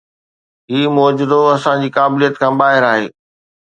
هي معجزو اسان جي قابليت کان ٻاهر آهي.